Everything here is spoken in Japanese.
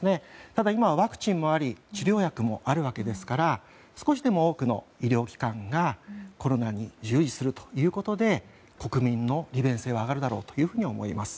ただ今はワクチンもあり治療薬もあるわけですから少しでも多くの医療機関がコロナに従事するということで国民の利便性は上がるだろうと思います。